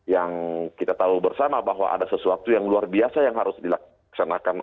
yang kita tahu bersama bahwa ada sesuatu yang luar biasa yang harus dilaksanakan